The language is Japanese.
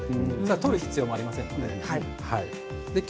取る必要もありません。